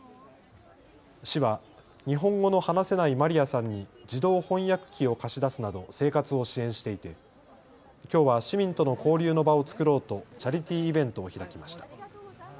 市は日本語の話せないマリアさんに自動翻訳機を貸し出すなど生活を支援していてきょうは市民との交流の場を作ろうとチャリティーイベントを開きました。